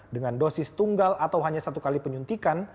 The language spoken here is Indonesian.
dengan dosis tunggal atau hanya satu kali penyuntikan